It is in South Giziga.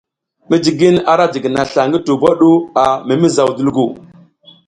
Mijigin ara jigina sla ngi tubo ɗu a mimizaw dulgu.